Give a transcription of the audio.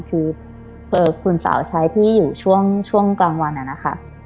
คือคุณสาวใช้ที่อยู่ช่วงกลางวันนะคะ